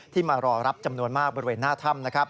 ที่มารอรับจำนวนมากบริเวณหน้าธรรม